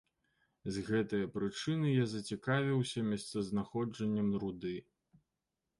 З гэтае прычыны я зацікавіўся месцазнаходжаннем руды.